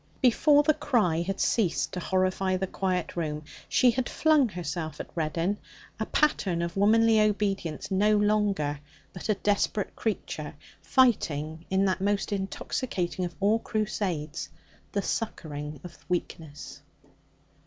Before the cry had ceased to horrify the quiet room, she had flung herself at Reddin, a pattern of womanly obedience no longer, but a desperate creature fighting in that most intoxicating of all crusades, the succouring of weakness.